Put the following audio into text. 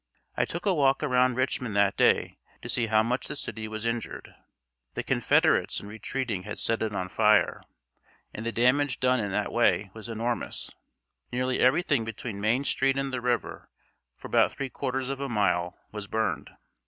I took a walk around Richmond that day to see how much the city was injured. The Confederates in retreating had set it on fire, and the damage done in that way was enormous; nearly everything between Main Street and the river, for about three quarters of a mile, was burned.